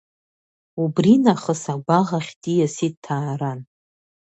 Убри нахыс агәаӷ ахь диасит Ҭааран.